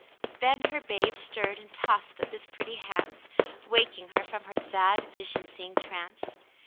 Then her babe stirred and tossed up his pretty hands, waking her from her sad, vision seeing trance.